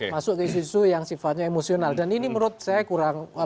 masuk ke isu isu yang sifatnya emosional dan ini menurut saya kurang